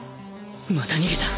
また逃げた。